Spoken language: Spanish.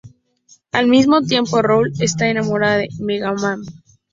Al mismo tiempo Roll está enamorada de MegaMan.